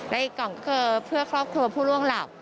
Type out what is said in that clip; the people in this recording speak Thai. และอีกกล่องก็คือเพื่อครอบครัวผู้ล่วงหลับ